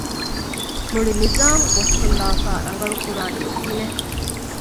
މުޅި ނިޒާމު ބޮއްސުންލާފައި، ރަނގަޅުކުރާނީ ކިހިނެއް؟